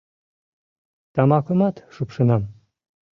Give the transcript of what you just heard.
Тамакымат шупшынам...